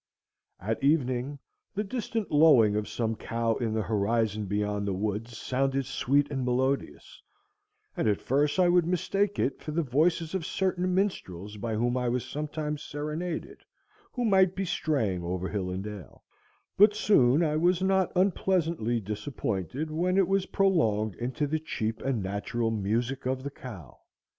At evening, the distant lowing of some cow in the horizon beyond the woods sounded sweet and melodious, and at first I would mistake it for the voices of certain minstrels by whom I was sometimes serenaded, who might be straying over hill and dale; but soon I was not unpleasantly disappointed when it was prolonged into the cheap and natural music of the cow.